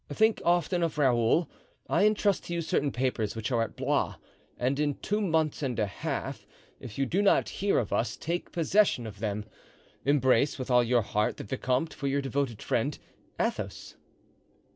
Think often of Raoul. I intrust to you certain papers which are at Blois; and in two months and a half, if you do not hear of us, take possession of them. "Embrace, with all your heart, the vicomte, for your devoted, friend, "ATHOS."